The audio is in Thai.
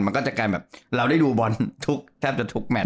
มันก็จะกลายแบบเราได้ดูบอลทุกแทบจะทุกแมท